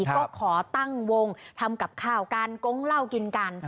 ก็ขอตั้งวงทำกับข้าวกันกงเหล้ากินกัน